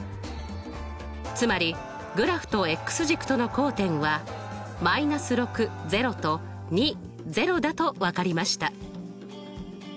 つまりグラフと軸との交点はとだと分かりました。